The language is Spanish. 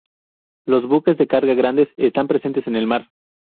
Los buques de carga grandes están presentes en el mar.